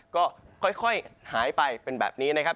ก็ค่อยหายไปเป็นแบบนี้นะครับ